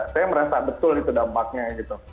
saya merasa betul itu dampaknya gitu